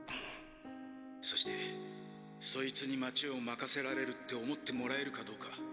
そしてそいつに街を任せられるって思ってもらえるかどうか。